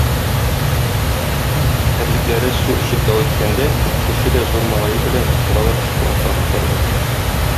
Терлекләре су эчеп ял иткәндә, бу көтүче дә зур малае белән утыралар төшке ашларын ашарга.